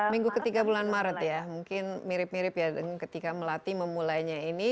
minggu ketiga bulan maret ya mungkin mirip mirip ya ketika melati memulainya ini